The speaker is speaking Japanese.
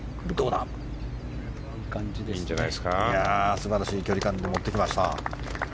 素晴らしい距離感で持ってきました。